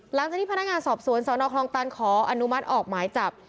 หลังจากที่พนักงานสอบสวนสนคลองตันขออนุมัติออกหมายจับ